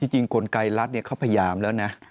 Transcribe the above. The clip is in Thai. จริงกลไกรรัฐเขาพยายามแล้วนะ